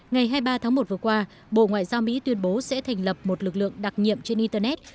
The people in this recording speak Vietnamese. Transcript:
ngày hai mươi ba tháng một vừa qua bộ ngoại giao mỹ tuyên bố sẽ thành lập một lực lượng đặc nhiệm trên internet